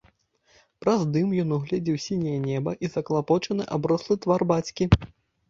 Праз дым ён угледзеў сіняе неба і заклапочаны аброслы твар бацькі.